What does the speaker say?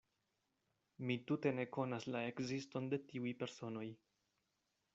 Mi tute ne konas la ekziston de tiuj personoj.